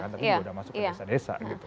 tapi juga sudah masuk ke desa desa gitu